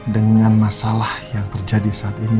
dengan masalah yang terjadi saat ini